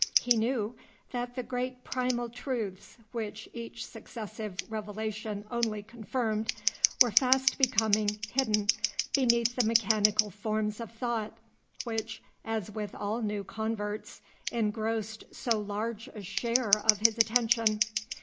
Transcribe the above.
He knew that the great primal truths, which each successive revelation only confirmed, were fast becoming hidden beneath the mechanical forms of thought, which, as with all new converts, engrossed so large a share of his attention.